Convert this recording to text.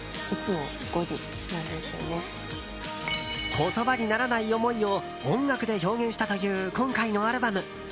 言葉にならない思いを音楽で表現したという今回のアルバム。